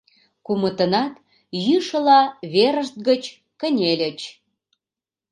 Кумытынат, йӱшыла, верышт гыч кынельыч.